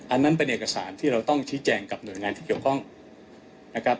อันนั้นเป็นเอกสารที่เราต้องชี้แจงกับหน่วยงานที่เกี่ยวข้องนะครับ